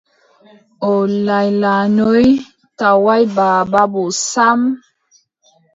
O laylanyoy, tawaay baaba boo sam ;